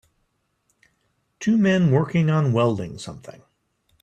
Two men working on welding something.